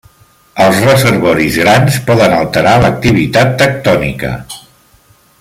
Els reservoris grans poden alterar l'activitat tectònica.